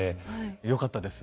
よかったです。